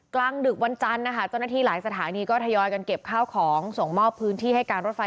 กลางดึกวันจันทร์นะคะเจ้าหน้าที่หลายสถานีก็ทยอยกันเก็บข้าวของส่งมอบพื้นที่ให้การรถไฟ